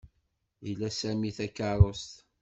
Ila Sami takeṛṛust.